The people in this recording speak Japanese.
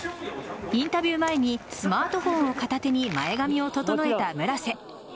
インタビュー前にスマートフォンを片手に前髪を整えた村瀬。